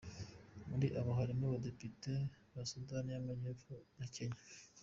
Muri abo harimo Abadepite ba Sudani y’Amajyepfo na Kenya.